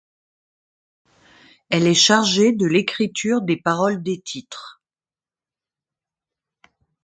Elle est chargée de l'écriture des paroles des titres.